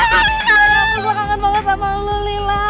ya ampun gue kangen banget sama lo lila